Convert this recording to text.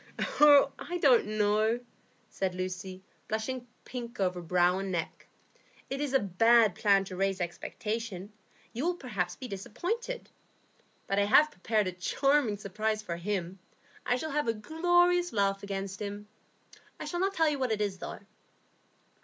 "Oh, I don't know," said Lucy, blushing pink over brow and neck. "It is a bad plan to raise expectation; you will perhaps be disappointed. But I have prepared a charming surprise for him; I shall have a glorious laugh against him. I shall not tell you what it is, though."